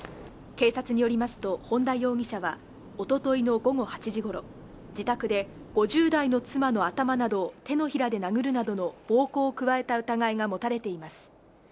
警察によりますと本田容疑者はおとといの午後８時ごろ自宅で５０代の妻の頭などを手のひらで殴るなどの暴行を加えた疑いが持たれています